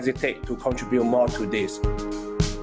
kita tidak akan berhenti untuk memberikan lebih banyak ke ini